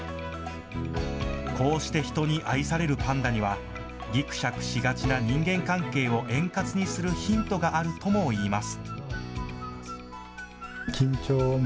こうして人に愛されるパンダにはぎくしゃくしがちな人間関係を円滑にするヒントがあるともいいます。